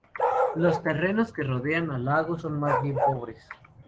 Los terrenos que rodean al lago son más bien pobres.